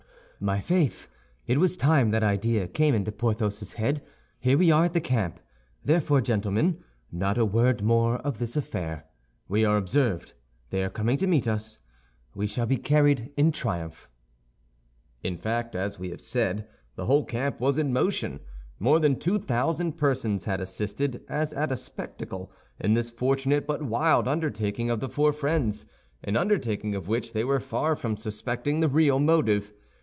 "My faith, it was time that idea came into Porthos's head. Here we are at the camp; therefore, gentlemen, not a word more of this affair. We are observed; they are coming to meet us. We shall be carried in triumph." In fact, as we have said, the whole camp was in motion. More than two thousand persons had assisted, as at a spectacle, in this fortunate but wild undertaking of the four friends—an undertaking of which they were far from suspecting the real motive.